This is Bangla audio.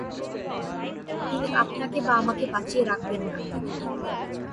তিনি আপনাকে বা আমাকে বাঁচিয়ে রাখবেন না।